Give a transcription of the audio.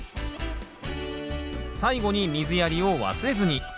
最後に水やりを忘れずに。